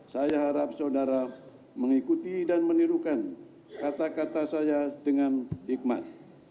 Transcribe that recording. saya harap saudara mengikuti dan menirukan kata kata saya dengan hikmat